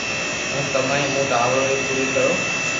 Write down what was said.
ھون ڪمائي مون ٽاٻرو ري پوري ڪرو